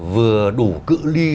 vừa đủ cự li